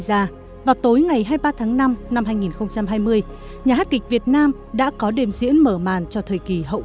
ra vào tối ngày hai mươi ba tháng năm năm hai nghìn hai mươi nhà hát kịch việt nam đã có đềm diễn mở màn cho thời kỳ hậu